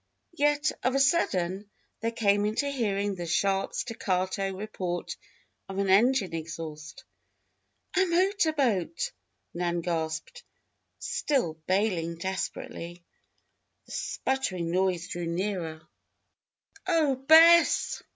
Yet, of a sudden, there came into hearing the sharp, staccato report of an engine exhaust. "A motor boat!" Nan gasped, still bailing desperately. The sputtering noise drew nearer. "Oh, Bess!"